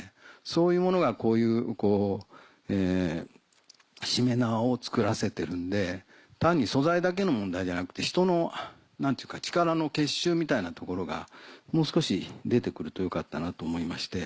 そういうものがこういうしめ縄を作らせてるんで単に素材だけの問題じゃなくて人の力の結集みたいなところがもう少し出て来るとよかったなと思いまして。